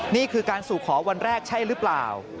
นี่คือการสู่ขอวันแรกใช่หรือเปล่า